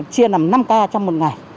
chia nằm năm ca trong một ngày